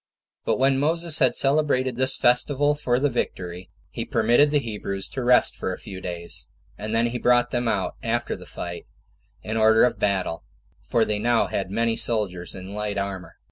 But when Moses had celebrated this festival for the victory, he permitted the Hebrews to rest for a few days, and then he brought them out after the fight, in order of battle; for they had now many soldiers in light armor.